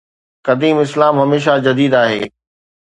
قديم اسلام هميشه جديد آهي.